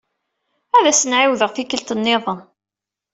Ad as-nɛiwed tikelt-nniḍen.